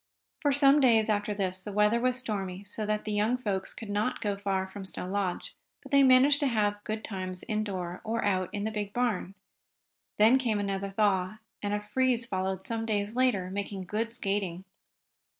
For some days after this the weather was stormy, so that the young folks could not go far from Snow Lodge. But they managed to have good times indoors, or out in the big barn. Then came another thaw, and a freeze followed some days later, making good skating.